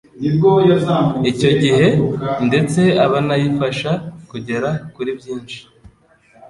icyo gihe ndetse banayifasha kugera kuri byinshi